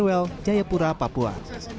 kirwel jayapura papua